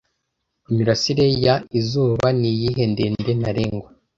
Imirasire ya izuba niyihe ndende ntarengwa